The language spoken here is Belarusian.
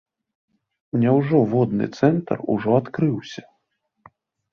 Няўжо водны цэнтр ужо адкрыўся?